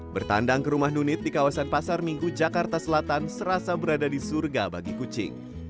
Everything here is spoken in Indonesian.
bertandang ke rumah nunit di kawasan pasar minggu jakarta selatan serasa berada di surga bagi kucing